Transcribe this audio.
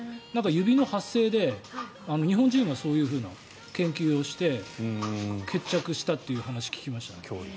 指の発生で日本人がそういうふうな研究をして決着したっていう話を聞きましたね。